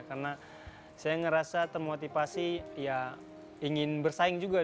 karena saya ngerasa termotivasi ya ingin bersaing juga ya